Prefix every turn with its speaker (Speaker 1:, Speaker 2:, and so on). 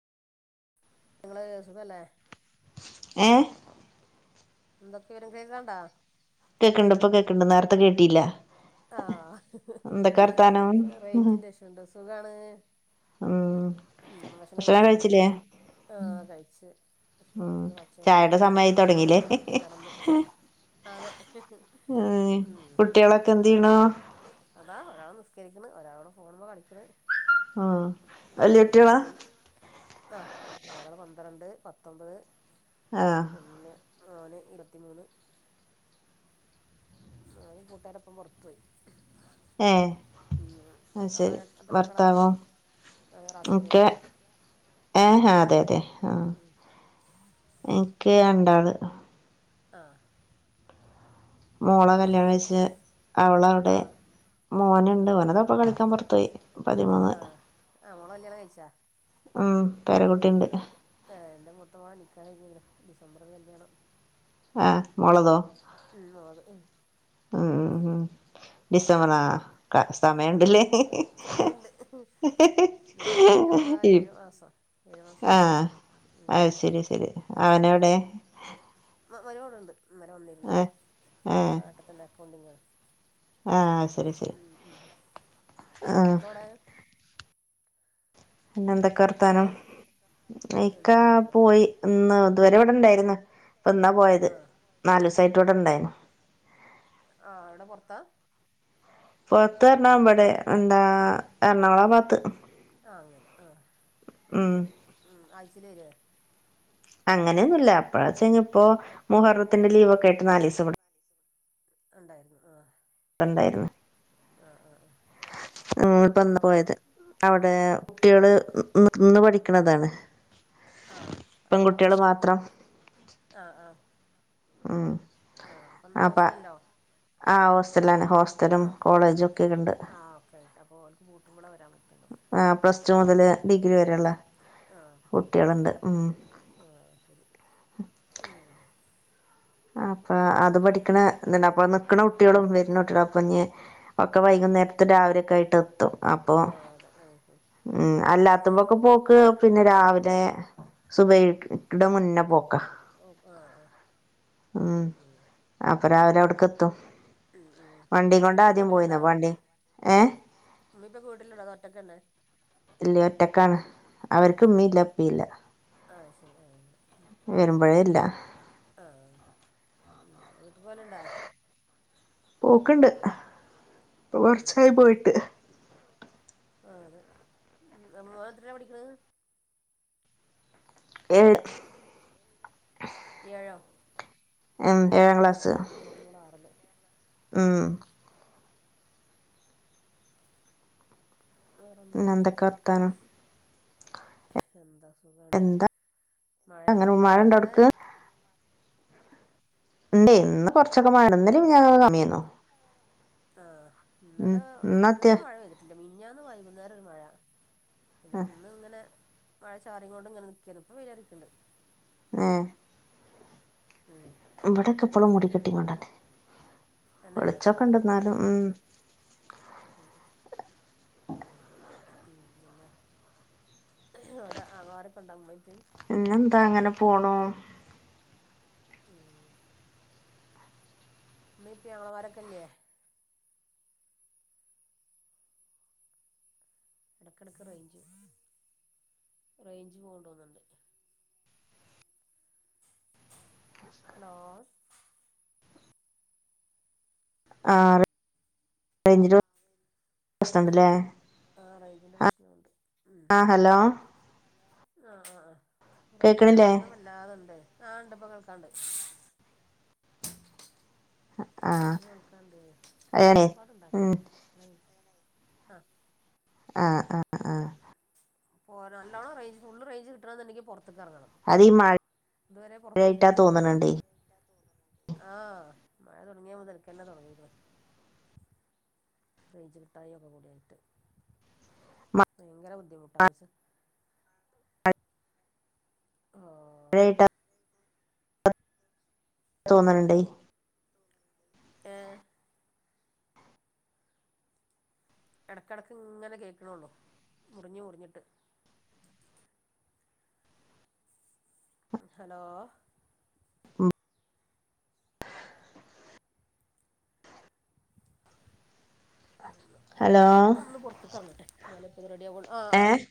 Speaker 1: നിങ്ങള് സുഖല്ലേ
Speaker 2: ഏഹ്
Speaker 1: എന്തൊക്കെണ് കേക്കുന്ന്ണ്ടാ
Speaker 2: കേക്കണ്ട് ഇപ്പൊ കേക്കണ്ട് നേരത്തെ കേട്ടില്ല
Speaker 1: ആഹ്
Speaker 2: എന്തൊക്കെ വർത്താനം
Speaker 1: റേഞ്ചിന്റെ പ്രെശ്നൊണ്ട് സുഖാണ്
Speaker 2: ഉം ഭക്ഷണം കഴിച്ചില്ലേ
Speaker 1: ആ കഴിച്ച് പക്ഷണം
Speaker 2: ഉം
Speaker 1: കഴിച്ചിട്ട് കൊറച്ച് നേര
Speaker 2: ചായയുടെ
Speaker 1: ഇങ്ങനെ
Speaker 2: സമയായി
Speaker 1: ഇരിക്ക
Speaker 2: തൊടങ്ങില്ലേ
Speaker 1: ഇനി കടന്നു അതെ
Speaker 2: എഹ്
Speaker 1: ഉം
Speaker 2: കുട്ടികളൊക്കെ എന്ത് ചെയ്യണു
Speaker 1: ഒരാളോട് ഫോണുമ്മേ കളിക്കണ്
Speaker 2: ആ വല്യ കുട്യോള
Speaker 1: ആ വല്യട്ടിളാ ഒരാള് പന്ത്രണ്ട് പത്തൊമ്പത്
Speaker 2: ആഹ്
Speaker 1: പിന്നെ മോന് ഇരുപത്തി മൂന്ന് ആ കൂട്ടുകാരപ്പം പുറത്തുപോയി
Speaker 2: ഏ
Speaker 1: ഉം അവിടെ ഒര് എത്ര മക്കള റാസൽ കൈമ
Speaker 2: ഏ ആ അതെ അതെ ആ
Speaker 1: ഏഹ് അതെ അതെ ഉം
Speaker 2: എനിക്ക് രണ്ടാള്
Speaker 1: ആ
Speaker 2: മോളെ കല്യാണഴിച്ച് അവളവിടെ
Speaker 1: ആഹ്
Speaker 2: മോനുണ് എവനത ഇപ്പൊ കളിക്കാൻ പുറത്തുപോയ് പതിമൂന്ന്
Speaker 1: ആമോളെ കല്യാണം കഴിച്ചാ
Speaker 2: ഉം പേരകുട്ടിണ്ട്
Speaker 1: കഴിഞ്ഞങ്ങണ് ഡിസംബർ കല്യാണം
Speaker 2: ഏ മോളതോ
Speaker 1: ഉം മോളത് ഉം
Speaker 2: ഉം ഉം ഡിസംബറാ
Speaker 1: മോനാണ്
Speaker 2: ക
Speaker 1: ഉം മോനാണ്
Speaker 2: സമയണ്ടില്ലേ
Speaker 1: എന്നിട്ടപ്പ ഏഴു മാസം ഏഴുമാസായി
Speaker 2: ആഹ് അത് ശരി ശരി അവനെവിടെ
Speaker 1: മരിമകൾ ഇവിടുഉണ്ട് ഇന്നലെ വന്നിരുന്നു
Speaker 2: ആഹ്
Speaker 1: നാട്ടിത്തന്നെ അക്കൗണ്ടിങ്ങ
Speaker 2: ആ ശരി ശരി ആ
Speaker 1: പിന്നെ ഇക്ക എവിടെ
Speaker 2: പിന്നെ എന്തൊക്കെ
Speaker 1: ഇക്കേ
Speaker 2: വർത്താനം ഇക്കാ
Speaker 1: എന്താ സുഖായിട്ട്
Speaker 2: പോയി
Speaker 1: പോണ്
Speaker 2: ഇന്ന് ഇതുവരെ ഇവിടെണ്ടാരുന്ന് ഇപ്പൊ ഇന്നാ പോയത് നാലിവസായിട്ട് ഇവിടെ ഇണ്ടായിനു
Speaker 1: ആ എവിടെ പുറത്താ
Speaker 2: പുറത്ത് പറഞ്ഞാ എബഡേ എന്താ എറണാകുളം പാത്ത്
Speaker 1: ആഹ് അങ്ങനെ ആഹ്
Speaker 2: ഉം
Speaker 1: ശരിയാ
Speaker 2: അങ്ങനെയൊന്നുല്ല അപ്പഴച്ച ഇപ്പോ മുഹറത്തിന്റെ ലീവ് ഒക്കെ ആയ്ട്ട് നാലീസം ഇവിട
Speaker 1: ഉണ്ടായിരുന്നു
Speaker 2: ഇവിടെ
Speaker 1: ആ
Speaker 2: ആ ഇപ്പന്നാ പോയത്
Speaker 1: ഉം
Speaker 2: അവിടെ കുട്ടികള് നിന്ന് പഠിക്കണതാണ്
Speaker 1: ആ അപ്പൊ
Speaker 2: പെൺകുട്ടികള്
Speaker 1: ഹോസ്റ്റൽ
Speaker 2: മാത്രം
Speaker 1: ആ ആ
Speaker 2: ഉം
Speaker 1: ആ അപ്പന്ത്‌ ഹോ
Speaker 2: അപ്പ
Speaker 1: സ്റ്റല്ലോ
Speaker 2: ആ ഹോസ്റ്റല്ലാണ് ഹോസ്റ്റലും കോളേജു ഒക്കെയ്ക്കണ്ട്
Speaker 1: ട്ട് അപ്പോ ഓൽക്ക് പൂട്ടുമ്പളാ വരാം
Speaker 2: ആ പ്ലസ് ടു മുതല് ഡിഗ്രി വരെള്ളേ
Speaker 1: ആ കുട്ട്യേക്ക്, ആ ശരി ഉം
Speaker 2: ആ അപ്പൊ
Speaker 1: പിന്നെ
Speaker 2: അത് പഠിക്കണ ത്ണ്ട് അപ്പൊ നിക്ക്ണ കുട്ട്യേളും വെര്ണ കുട്ട്യളും അപ്പന്നീ, ഒക്ക
Speaker 1: അപ്പൊ
Speaker 2: വൈകുന്നേ ത്ത് രാവിലൊക്കായ്ട്ടെത്തു, അപ്പോ
Speaker 1: ആ അതെ ആ ആ
Speaker 2: ഉം അല്ലാത്തുമ്പൊക്കെ പോക്ക്, പിന്നെ രാവിലെ, സുബൈക്ക് ക്ക്ടെ മുന്നെ പോക്ക
Speaker 1: ഓ ആ ആ അത്
Speaker 2: ഉം
Speaker 1: ശരി
Speaker 2: അപ്പ രാവിലവട്ക്കെത്തും
Speaker 1: ഉം ഉ ഉമ്മീപ്പയൊക്കെ വീട്ടില്ണ്ടാ
Speaker 2: വണ്ടി ഏ
Speaker 1: ഉം ഉമ്മീപ്പയൊക്കെ വീട്ടില്ണ്ടാ അതോ ഒറ്റക്കെന്നെ?
Speaker 2: ഇല്ല്യ ഒറ്റക്കാണ്
Speaker 1: ആ
Speaker 2: അവര്ക്ക് ഉമ്മീല്ല, ഉപ്പീല്ല
Speaker 1: ഇല്ല ആ ശരി ആ
Speaker 2: വരുമ്പഴേ ല്ലാ
Speaker 1: ആ ഉം വീട്ട്ക്ക് പോല്ണ്ടാ
Speaker 2: പോക്കണ്ട്
Speaker 1: ഉം
Speaker 2: ഇപ്പക്കൊർച്ചായി പോയിട്ട്
Speaker 1: ആ അതെ ഉം അപ്പ മ്മോ എത്രയ്ലാ പഠിക്ക്ണത്
Speaker 2: ഏഴ്
Speaker 1: ഏഴോ?
Speaker 2: ഉം
Speaker 1: ആ എന്റെ ചെറിയ മോളാറില്
Speaker 2: ആ
Speaker 1: വേറെന്താ
Speaker 2: പിന്നെ എന്തൊക്കെ
Speaker 1: വിശേഷങ്ങളൊക്കെ,
Speaker 2: വർത്താനം
Speaker 1: എന്താ? സുഖാണ്
Speaker 2: എന്താ
Speaker 1: മഴേ,
Speaker 2: അങ്ങനെ മഴ ഉണ്ടോ
Speaker 1: മഴണ്ടാവടെ?
Speaker 2: അവിടക്ക് ഇണ്ടേയ് ഇന്ന് കൊർച്ചൊക്കെ മഴാണ് ഇന്നലീം മിഞ്ഞാന്നൊക്കെ കമ്മിയേന്നു
Speaker 1: ആഹ് ഇന്നലൊ
Speaker 2: ഇന്ന് അത്യാ
Speaker 1: ഇന്നലെ മഴ പെയ്തിട്ടില്ല മിഞ്ഞാന്ന് വൈകുന്നേരൊരു മഴ പിന്നെപ്പന്ന്ങ്ങനെ മഴ ചാറിങ്ങോണ്ട്ങ്ങനെ നിക്കേര്ന്ന് ഇപ്പം വെയിലറിക്ക്ണ്ട്
Speaker 2: ഏ
Speaker 1: ഉം
Speaker 2: ഇവടെക്കപ്പളൂ മുടിക്കെട്ടിങ്ങോണ്ടെന്നെ
Speaker 1: തന്നെ ആഹ്
Speaker 2: വെളിച്ചൊക്കണ്ട്
Speaker 1: ഇവിടുന്ന്
Speaker 2: ന്നാലു ഉം
Speaker 1: വെയിലറിക്ക്ണ്ട് [unintelligible] ആങ്ങളമാരൊക്കെ ഉണ്ടോ ഉമ്മേം ഉപ്പേം
Speaker 2: പിന്നെന്താ അങ്ങനെ പോണൂ
Speaker 1: ആ ഇമ്മീ ഇപ്പീ ആങ്ങളമാരൊക്കല്ല്യേ ഇടക്കിടക്ക് റെയ്ഞ്ച് റെയ്ഞ്ച് പോണ്ടോന്ന്ണ്ട് ഹലോ
Speaker 2: ആ റെ റെയ്ഞ്ച്ന്റെ പ്രശ്നണ്ട് ലേ
Speaker 1: ന്റെ പ്രശ്നണ്ട്
Speaker 2: ആ ഹലോ
Speaker 1: റെയ്ഞ്ചിന്റെ
Speaker 2: കേക്കണില്ലേ
Speaker 1: പ്രശ്നം വല്ലാതണ്ട് ആണ്ട് ഇപ്പ കേൾക്കാണ്ട്
Speaker 2: ആഹ്
Speaker 1: ഇയ് എട്ക്കാണ്ട്
Speaker 2: അതെ ഉം
Speaker 1: ഒച്ചപ്പാട്ണ്ടാക്കല്ലേ ആ
Speaker 2: ആ ആ ആ
Speaker 1: പോ നല്ലോണം റേഞ്ച് ഫുള്ള് റേഞ്ച് കിട്ടണെന്നുണ്ടെങ്കി പൊർ ത്ത്ക്കെർങ്ങണം
Speaker 2: അത് ഈ
Speaker 1: ഇത്വരെ
Speaker 2: മഴയായിട്ടാ
Speaker 1: പൊർത്തിരിക്കേന്ന് ഹ്
Speaker 2: തോന്നണണ്ടേ
Speaker 1: ഹ് ആഹ് മഴ തൊടങ്ങിയെ മുതൽക്കെന്നെ തൊടങ്ങീക്ക്ണ് റേഞ്ച് ക്ട്ടായി ഒക്കെക്കൂടിയായിട്ട് ഭയങ്കര ബുദ്ധിമുട്ട മൻസ
Speaker 2: [unintelligible]
Speaker 1: ആഹ്
Speaker 2: [unintelligible] തോന്ന്ണ്ണ്ടെയ്
Speaker 1: ഹ് ഇടക്കിടക്ക് ഇങ്ങനെ കേക്കണള്ളോ മുറിഞ്ഞ മുറിഞ്ഞിട്ട് ഹലോ
Speaker 2: ഹലോ
Speaker 1: ഒന്ന് പുറത്തക്കങ്ങട്ടെ നാല ഇപ്പത് റെഡി ആക ആ ആ്
Speaker 2: ഏഹ്